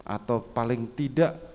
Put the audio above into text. atau paling tidak